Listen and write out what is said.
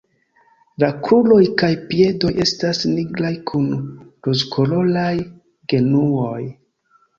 La kruroj kaj piedoj estas nigraj kun rozkoloraj genuoj.